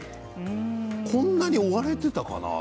こんなに追われていたかな？